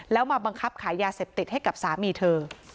แล้วมาบังคับขายยาเสพติดให้กับสามีเธอ